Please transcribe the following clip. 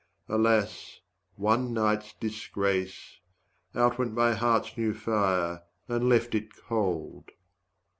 Alas, one night's disgrace! 95 Out went my heart's new fire and left it cold.